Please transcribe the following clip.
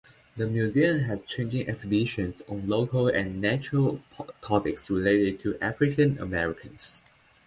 The museum has changing exhibitions on local and national topics related to African Americans.